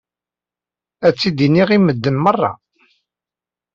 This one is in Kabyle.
Ad tt-id-iniɣ i medden meṛṛa.